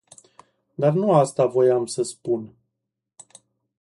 Dar nu asta voiam să spun.